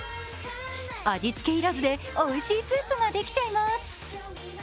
味付け要らずで、おいしいスープができちゃいます。